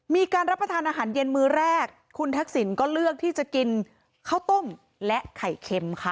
มีการรับประทานอาหารเย็นมือแรกคุณทักษิณก็เลือกที่จะกินข้าวต้มและไข่เค็มค่ะ